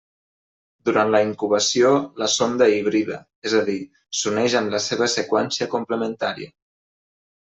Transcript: Durant la incubació la sonda hibrida, és a dir: s'uneix amb la seva seqüència complementària.